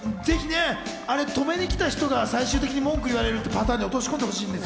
止めに来た人が最終的に文句言われるパターンに落とし込んでほしい。